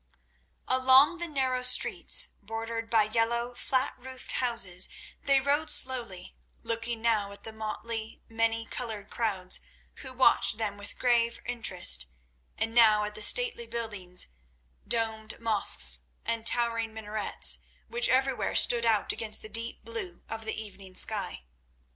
Along the narrow streets, bordered by yellow, flat roofed houses, they rode slowly, looking now at the motley, many coloured crowds, who watched them with grave interest, and now at the stately buildings, domed mosques and towering minarets, which everywhere stood out against the deep blue of the evening sky.